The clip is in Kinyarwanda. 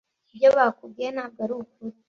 ibyo bakubwiye ntabwo arukuri